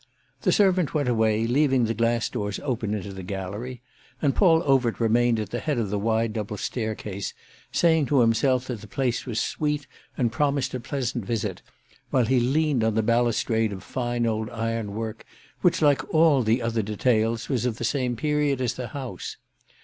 The servant went away, leaving the glass doors open into the gallery, and Paul Overt remained at the head of the wide double staircase, saying to himself that the place was sweet and promised a pleasant visit, while he leaned on the balustrade of fine old ironwork which, like all the other details, was of the same period as the house.